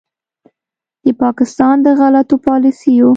د پاکستان د غلطو پالیسیو